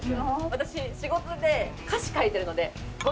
私仕事で歌詞書いてるので。